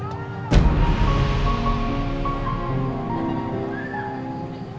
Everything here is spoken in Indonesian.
sama kamu soal surat perjanjian itu